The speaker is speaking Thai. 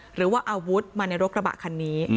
หรือว่าอาวุธมาในรถกระบะคันนี้